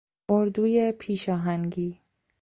اردوی پیشاهنگی